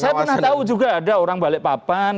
saya pernah tahu juga ada orang balik papan